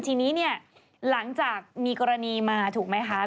ทีนี้เนี่ยหลังจากมีกรณีมาถูกไหมคะ